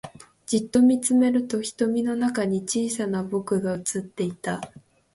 じっと見つめると瞳の中に小さな僕が映っていた